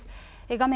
画面